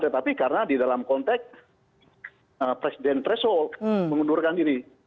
tapi karena di dalam konteks presiden tresol mengundurkan diri